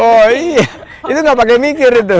oh iya itu gak pakai mikir itu